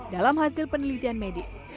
dalam hasil penelitian medis